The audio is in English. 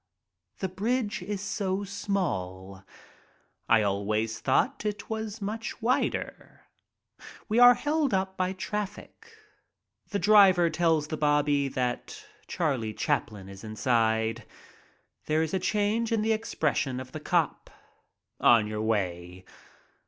The bridge is so small; I always thought it was much wider. We are held up by traffic. The driver tells 50 MY TRIP ABROAD the bobby that CharHe ChapHn is inside. There is a change in the expression of the cop. "On your way."